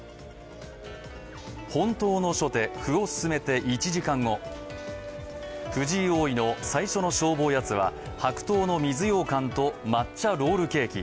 本当の初手、歩を進めて１時間後、藤井王位の最初の勝負おやつは白桃の水羊羹と抹茶ロールケーキ。